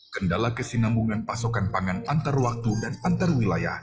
kendala kesinambungan pasokan pangan antar waktu dan antar wilayah